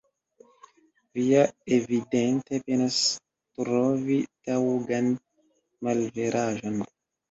Vi ja evidente penas trovi taŭgan malveraĵon.